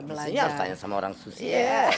belajar mesti harus tanya sama orang susi air